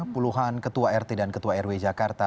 puluhan ketua rt dan ketua rw jakarta